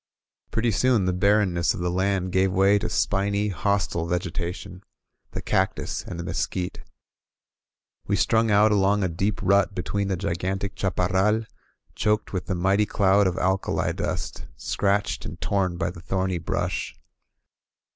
Pretty soon, the barrenness of the land gave way to spiny, hostile vegetation, — the cactus and the mesquite. We strung out along a deep rut between the gigantic chaparral, choked with the mighty cloud of alkali dust, scratched and torn by the thorny brush.